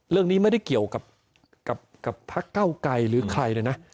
เรื่องนี้ไม่ได้เกี่ยวกับพักเก้าไกรหรือใครเลยนะ